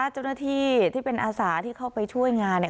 เจ้าหน้าที่ที่เป็นอาสาที่เข้าไปช่วยงานเนี่ย